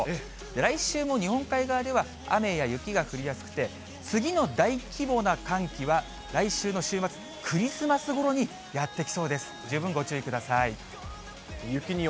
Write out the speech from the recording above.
来週も日本海側では雨や雪が降りやすくて、次の大規模な寒気は、来週の週末、クリスマスごろにやって来そうです。